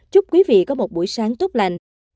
chúc quý vị có một buổi sáng tốt lành